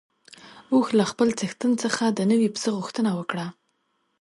اوښ له خپل څښتن څخه د نوي پسه غوښتنه وکړه.